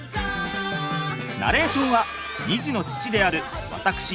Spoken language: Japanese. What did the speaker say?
ナレーションは２児の父である私